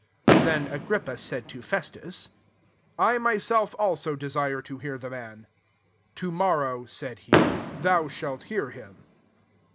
22 Then Agrippa laid to Festus, << I myself also k»re to hear the man." ^ To nG^rrowy" said he, « thou shalt lear him."